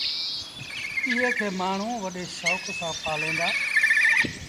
ايئي کي مآڻهوٚݩ وڏي شوڪ سآݩ پآليٚن دآ۔